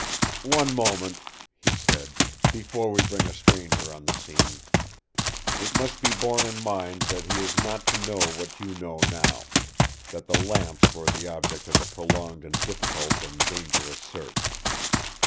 "One moment," he said, "before we bring a stranger on the scene. It must be borne in mind that he is not to know what you know now, that the lamps were the objects of a prolonged and difficult and dangerous search.